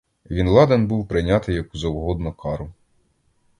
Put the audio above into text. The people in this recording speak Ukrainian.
Він ладен був прийняти яку завгодно кару.